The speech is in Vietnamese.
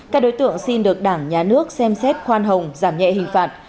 các đối tượng xin được đảng nhà nước xem xét khoan hồng giảm nhẹ hình phạt